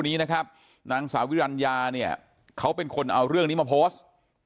นางสาวิรัญญาเขาเป็นคนเอาเรื่องนี้มาโพสต์